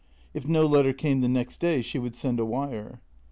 If no letter came the next day she would send a wire.